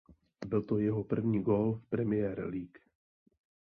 Byl to jeho první gól v Premier League.